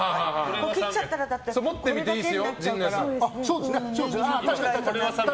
切っちゃったらここだけになっちゃうから。